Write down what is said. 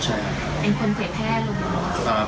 หงค์คลิปใครเอง